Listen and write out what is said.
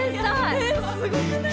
えっすごくない！？